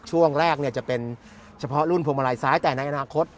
ช่วงแรกจะเป็นเฉพาะรุ่นพวงมาลัยซ้ายแต่ในอนาคต